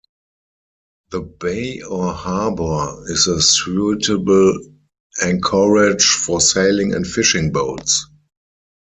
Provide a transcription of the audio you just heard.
The bay or harbour is a suitable anchorage for sailing and fishing boats.